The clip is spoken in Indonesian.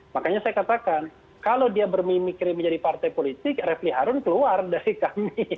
makanya saya katakan kalau dia bermimikri menjadi partai politik refli harun keluar dari kami